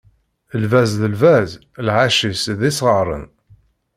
Lbaz d lbaz, lɛac-is d isɣaṛen.